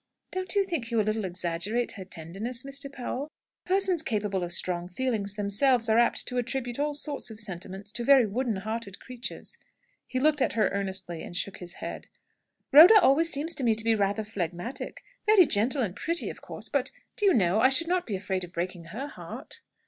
"Don't you think you a little exaggerate her tenderness, Mr. Powell? Persons capable of strong feelings themselves are apt to attribute all sorts of sentiments to very wooden hearted creatures." He looked at her earnestly, and shook his head. "Rhoda always seems to me to be rather phlegmatic; very gentle and pretty, of course. But, do you know, I should not be afraid of her breaking her heart."